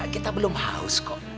kita belum haus kok